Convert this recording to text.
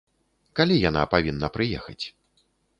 Калі яна павінна прыехаць?